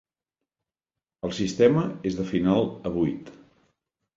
El sistema és de final a vuit.